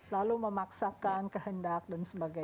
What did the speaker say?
lalu memaksakan kehendak dan sebagainya